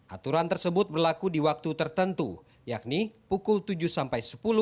aturan tersebut berlaku di waktu tertentu yakni pukul tujuh sampai sepuluh